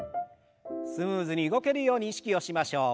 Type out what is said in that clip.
スムーズに動けるように意識をしましょう。